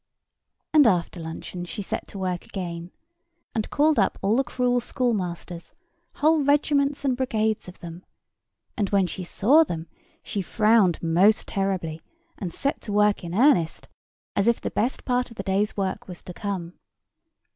And after luncheon she set to work again, and called up all the cruel schoolmasters—whole regiments and brigades of them; and when she saw them, she frowned most terribly, and set to work in earnest, as if the best part of the day's work was to come.